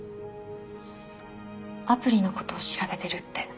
アプリのことを調べてるって。